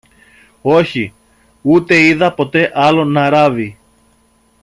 Όχι, ούτε είδα ποτέ άλλον να ράβει.